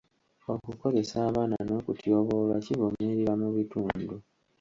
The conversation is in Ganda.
Okukozesa abaana n'okutyoboolwa kivumirirwa mu bitundu.